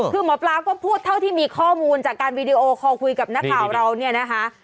คือหมอปลาก็พูดเท่าที่มีข้อมูลจากการวีดีโอคอลคุยกับนักข่าวเราเนี่ยนะคะ